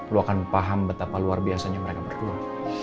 lu akan paham betapa luar biasanya mereka berdua